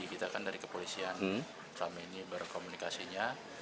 kita kan dari kepolisian selama ini berkomunikasinya